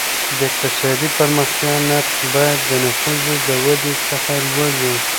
د اقتصادي پرمختیا نرخ باید د نفوسو د ودي څخه لوړ وي.